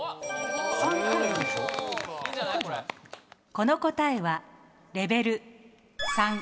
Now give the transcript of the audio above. この答えはレベル３。